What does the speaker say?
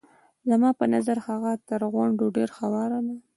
زما په نظر هغه تر غونډیو ډېره هواره ده.